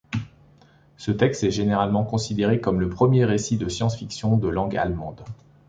Ce texte est généralement considéré comme le premier récit de science-fiction de langue allemande.